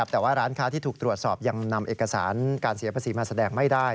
แต่ว่าร้านค้าที่ถูกตรวจสอบยังนำเอกสารการเสียภาษีมาแสดงไม่ได้